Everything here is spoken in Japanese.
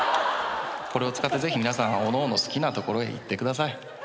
これを使ってぜひ皆さんはおのおの好きなところへ行ってください。